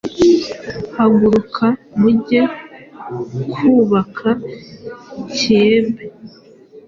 Haguruka mujye kwubaka Kiyebe